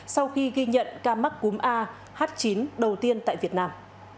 sau khi ghi nhận ca mắc cúm a h chín đầu tiên tại việt nam